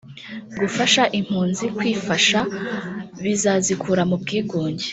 Gufasha impunzi kwifasha bizazikura mu bwigunge